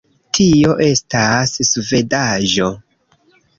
Tio estas svedaĵo